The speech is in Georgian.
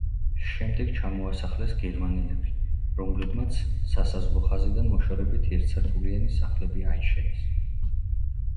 შემდეგ ჩამოასახლეს გერმანელები, რომლებმაც სასაზღვრო ხაზიდან მოშორებით ერთსართულიანი სახლები აიშენეს.